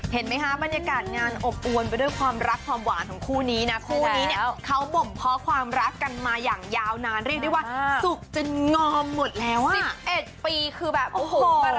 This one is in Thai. เห็นไหมคะบรรยากาศงานอบอวนไปด้วยความรักความหวานของคู่นี้นะคู่นี้เนี่ยเขาบ่มเพาะความรักกันมาอย่างยาวนานเรียกได้ว่าสุขจนงอมหมดแล้วอ่ะ๑๑ปีคือแบบโอ้โห